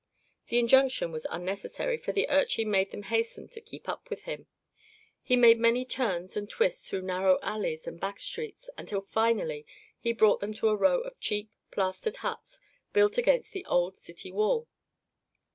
The injunction was unnecessary, for the urchin made them hasten to keep up with him. He made many turns and twists through narrow alleys and back streets until finally he brought them to a row of cheap, plastered huts built against the old city wall.